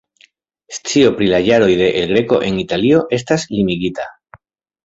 Scio pri la jaroj de El Greco en Italio estas limigita.